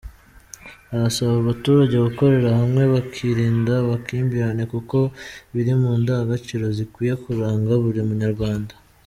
Arasaba abaturage gukorera hamwe, bakirinda amakimbirane kuko biri mu ndagagaciro zikwiye kuranga buri munyarwanda.